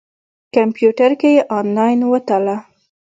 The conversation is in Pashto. کمپیوټر کې یې انلاین وتله.